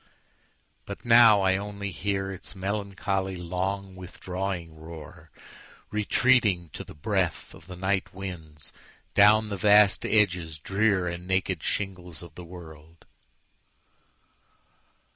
But now I only hearIts melancholy, long, withdrawing roar, Retreating, to the breathOf the night winds, down the vast edges drearAnd naked shingles of the world.